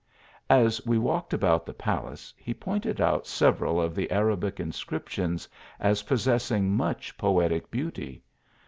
As we walked about the palace he pointed out several of the Arabic inscriptions, as possessing much poetic beauty.